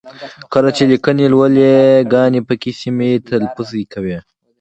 کله چې لیکني لولئ ی ګاني پکې سمې تلفظ کوئ!